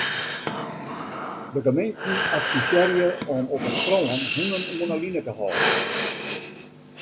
De gemeenten advisearje om op it strân hûnen oan 'e line te hâlden.